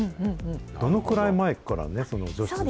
どのくらい前から除湿を？